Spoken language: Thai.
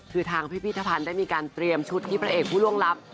คือทางพิพิธภัณฑ์ได้มีการเตรียมชุดที่พระเอกผู้ล่วงลับ